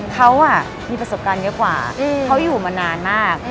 เขามีประสบการณ์เยอะกว่าเขาอยู่มานานมาก